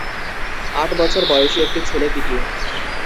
আট বছর বয়সী একটি ছেলে কিটি।